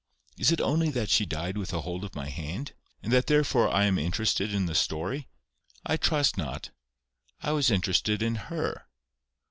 Is it only that she died with a hold of my hand, and that therefore I am interested in the story? I trust not. I was interested in HER.